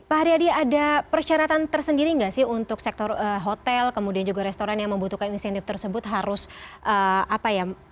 pak haryadi ada persyaratan tersendiri nggak sih untuk sektor hotel kemudian juga restoran yang membutuhkan insentif tersebut harus apa ya